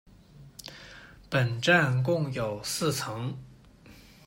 本站共有四层。